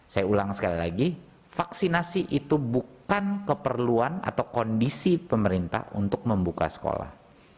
saya ulang sekali lagi vaksinasi itu bukan keperluan atau kondisi pemerintah untuk membuka sekolah